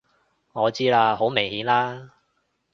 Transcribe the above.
我知啦！好明顯啦！